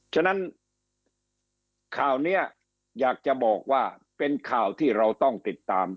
ฉะนั้นข่าวนี้อยากจะบอกว่าเป็นข่าวที่เราต้องติดตาม